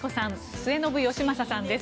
末延吉正さんです。